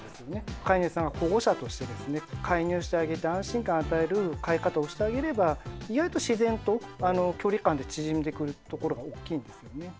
飼い主さんが保護者としてですね介入してあげて安心感与える飼い方をしてあげれば意外と自然と距離感って縮んでくるところが大きいんですよね。